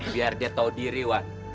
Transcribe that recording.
biar dia tahu diri wan